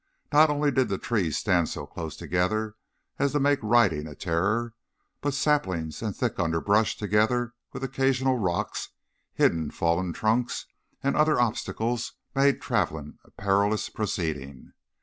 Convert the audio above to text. Not only did the trees stand so close together as to make riding a terror, but saplings and thick underbrush, together with occasional rocks, hidden fallen trunks, and other obstacles, made traveling a perilous proceeding.